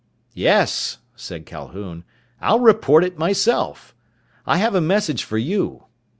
"Yes," said Calhoun. "I'll report it myself. I have a message for you.